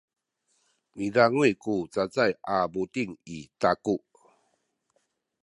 midanguy ku cacay a buting i taku.